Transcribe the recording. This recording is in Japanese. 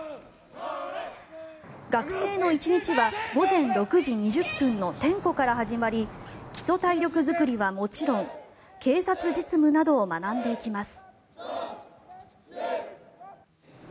学生の１日は午前６時２０分の点呼から始まり基礎体力作りはもちろん警察実務などを学んでいきます。